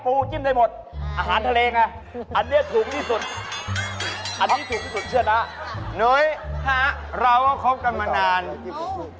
พุ่งปลาอะไรอย่างนี้นี่